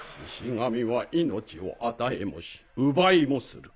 神は命を与えもし奪いもする。